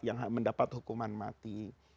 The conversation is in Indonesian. yang mendapat hukuman mati